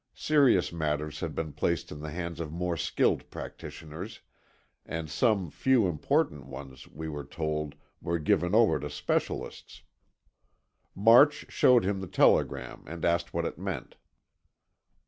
Serious matters had been placed in the hands of more skilled practitioners, and some few important ones, we were told, were given over to specialists. March showed him the telegram and asked what it meant.